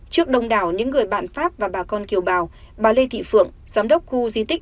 trước đông đảo những người bạn pháp và bà con kiều bào bà lê thị phượng giám đốc khu di tích